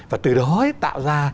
và từ đó tạo ra